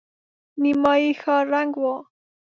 نيمايي ښار ړنګ و.